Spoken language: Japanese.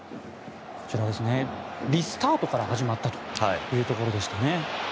リスタートから始まったというところでしたね。